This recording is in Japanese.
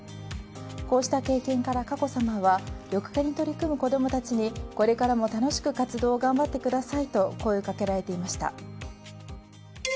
こうした経験から、佳子さまは緑化に取り組む子供たちにこれからも楽しく活動を頑張ってくださいと声をかけられていました。